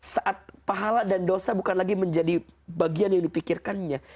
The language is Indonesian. saat pahala dan dosa bukan lagi menjadi bagian yang dipikirkannya